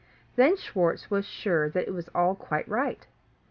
Then Schwartz was sure it was all quite right.